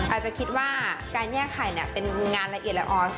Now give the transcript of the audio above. อาจจะคิดว่าการแยกไข่เป็นงานละเอียดละออส